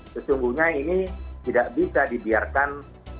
sesungguhnya ini tidak bisa dibiarkan